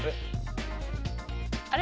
あれ？